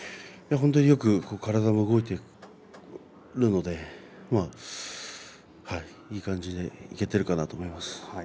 体がよく動いていると思うので、いい感じでやれているかなと思います。